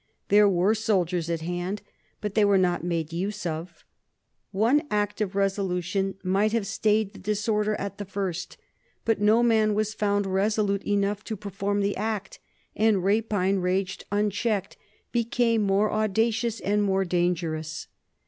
There were soldiers at hand, but they were not made use of. One act of resolution might have stayed the disorder at the first, but no man was found resolute enough to perform the act; and rapine, raging unchecked, became more audacious and more dangerous.